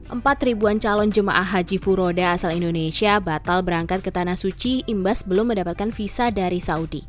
empat ribuan calon jemaah haji furoda asal indonesia batal berangkat ke tanah suci imbas belum mendapatkan visa dari saudi